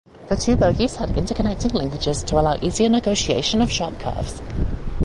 The two bogies had interconnecting linkages to allow easier negotiation of sharp curves.